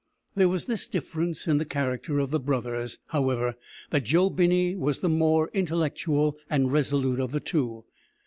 There was this difference in the character of the brothers, however, that Joe Binney was the more intellectual and resolute of the two.